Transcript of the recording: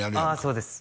そうです